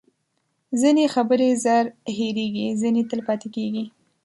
ځینې خبرې زر هیرېږي، ځینې تل پاتې کېږي.